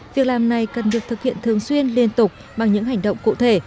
việc làm này cần được thực hiện thường xuyên liên tục bằng những hành động cụ thể